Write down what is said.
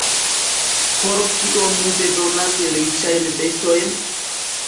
Por kio mi bezonas riĉajn vestojn?